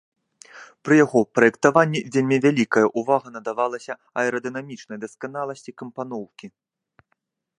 Пры яго праектаванні вельмі вялікая ўвага надавалася аэрадынамічнай дасканаласці кампаноўкі.